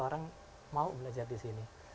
orang mau belajar di sini